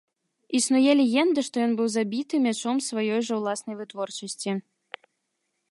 Існуе легенда, што ён быў забіты мячом сваёй жа ўласнай вытворчасці.